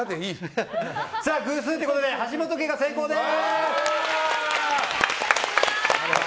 偶数ということで橋本家が先攻です！